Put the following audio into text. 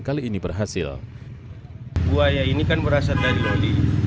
buaya ini berasal dari loli